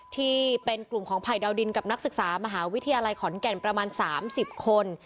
ที่เป็นกลุ่มของภัยดาวดินกับนักศึกษามหาวิทยาลัยขอนแก่นประมาณ๓๐คน